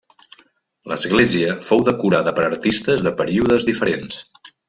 L'església fou decorada per artistes de períodes diferents.